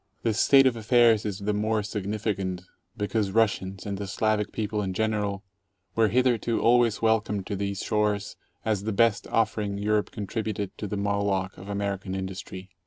This state of affairs is the more significant because Russians, and the Slavic people in general, were hitherto always welcomed to these shores as the best offering Europe contributed to the Moloch of American industry.